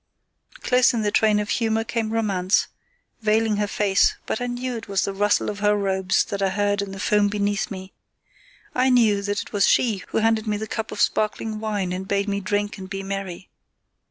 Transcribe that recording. Close in the train of Humour came Romance, veiling her face, but I knew it was the rustle of her robes that I heard in the foam beneath me; I knew that it was she who handed me the cup of sparkling wine and bade me drink and be merry.